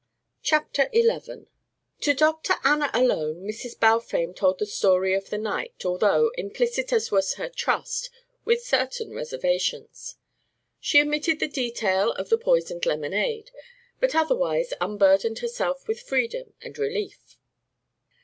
CHAPTER XI To Dr. Anna alone Mrs. Balfame told the story of the night, although, implicit as was her trust, with certain reservations. She omitted the detail of the poisoned lemonade, but otherwise unburdened herself with freedom and relief.